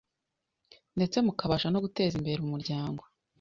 ndetse mukabasha no guteza imbere umuryango